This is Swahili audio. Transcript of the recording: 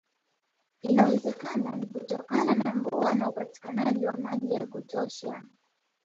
Inawezekana ni kutokana na mvua na upatikanaji wa maji ya kutosha